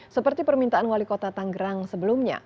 seperti permintaan wali kota tanggerang sebelumnya